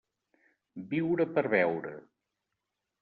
Viure per a veure.